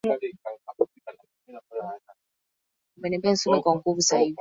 abiria wapatao elfu moja mia tano walikufa